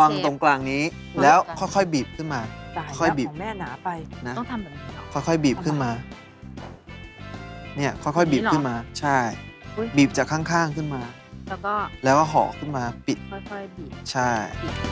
อ่ะแล้วค่อยบีบขึ้นมาค่อยบีบขึ้นมานี่ค่อยบีบขึ้นมาใช่บีบจากข้างขึ้นมาแล้วก็เหาะขึ้นมาปิดใช่